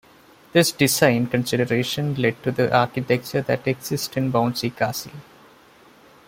This design consideration led to the architecture that exists in Bouncy Castle.